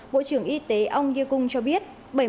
bộ trưởng y tế ông ye kung cho biết